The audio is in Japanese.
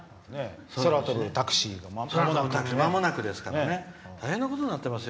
空飛ぶタクシーがまもなくですから大変なことになってますよ